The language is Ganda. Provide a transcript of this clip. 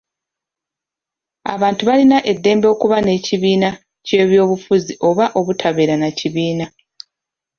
Abantu balina eddembe okuba n'ekibiina ky'ebyobufuzi oba obutabeera na kibiina.